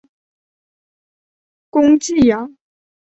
攻济阳。